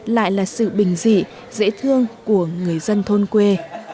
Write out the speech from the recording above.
lại là sự bình dị dễ thương của người dân thôn quê